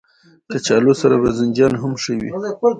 کچالو سره بانجان هم ښه وي